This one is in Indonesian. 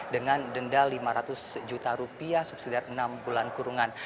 dengan denda lima ratus juta rupiah subsidi dari enam bulan kurungan